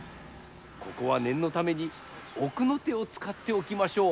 ここはねんのためにおくの手をつかっておきましょう。